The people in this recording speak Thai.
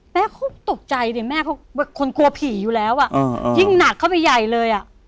แม่เขาตกใจดิแม่คนกลัวผีอยู่แล้วอ่ะยิ่งหนักเข้าไปใหญ่เลยอ่ะ